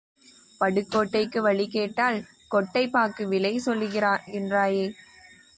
பட்டுக்கோட்டைக்கு வழி கேட்டால், கொட்டைப் பாக்கு விலை சொல்லுகின்றாய்.